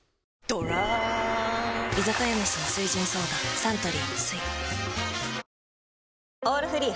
ドランサントリー「翠」「オールフリー」